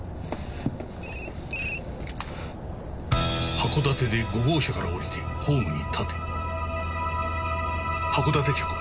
「函館で５号車から降りてホームに立て」函館着は？